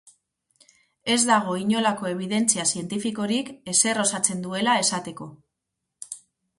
Ez dago inolako ebidentzia zientifikorik ezer osatzen duela esateko.